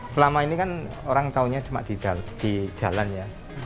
selama ini kan orang tahunya cuma di jalan ya